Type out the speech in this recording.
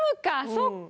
そっか。